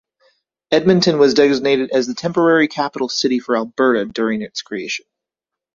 Edmonton was designated as the temporary capital city for Alberta during its creation.